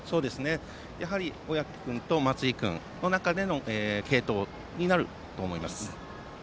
やはり小宅君と松井君の継投になると思います。